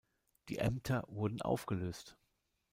Die Ämter wurden aufgelöst.